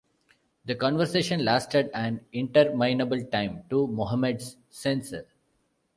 The conversation lasted an interminable time to Mohamed’s sense.